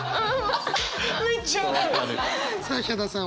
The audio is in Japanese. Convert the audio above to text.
さあヒャダさん